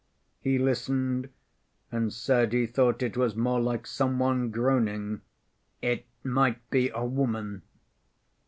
He listened and said he thought it was more like some one groaning, "it might be a woman."